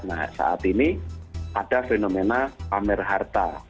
nah saat ini ada fenomena pamer harta